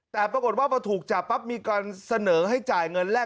แต่ปรากฏว่าพอถูกจับปั๊บมีการเสนอให้จ่ายเงินแรก